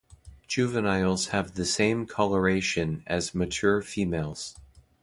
Juveniles have the same coloration as mature females.